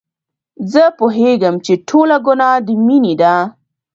زه پوهېږم چې ټوله ګناه د مينې ده.